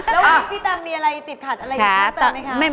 แล้วหยุดพี่ตังมีอะไรติดขัดอะไรค่ะ